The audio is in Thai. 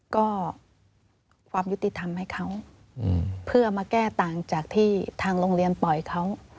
ก็ความยุติธรรมให้เขาเพื่อมาแก้ต่างจากที่ทางโรงเรียนปล่อยเขา